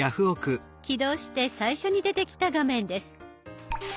起動して最初に出てきた画面です。